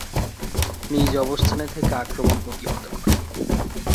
নিজ অবস্থানে থেকে আক্রমণ প্রতিহত করেন।